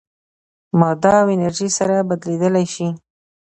ماده او انرژي سره بدلېدلی شي.